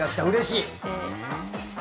うれしい！